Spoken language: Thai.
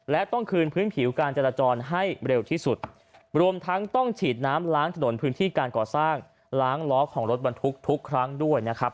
และต้องคืนพื้นผิวการจราจรให้เร็วที่สุดรวมทั้งต้องฉีดน้ำล้างถนนพื้นที่การก่อสร้างล้างล้อของรถบรรทุกทุกครั้งด้วยนะครับ